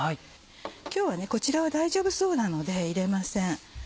今日はこちらは大丈夫そうなので入れません。